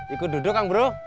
ikut duduk kang bro